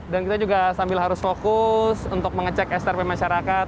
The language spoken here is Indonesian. dan kita juga sambil harus fokus untuk mengecek strp masyarakat